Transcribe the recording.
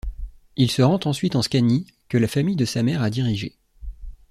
Il se rend ensuite en Scanie, que la famille de sa mère a dirigée.